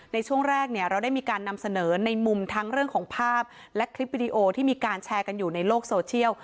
ในช่วงแรกเนี่ยเราได้มีการนำเสนอในมุมทั้งเรื่องของภาพและคลิปวิดีโอที่มีการแชร์กันอยู่ในโลกโซเชียล